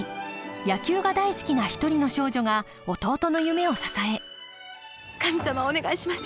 野球が大好きな一人の少女が弟の夢を支え神様お願いします。